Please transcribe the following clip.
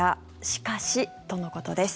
しかしとのことです。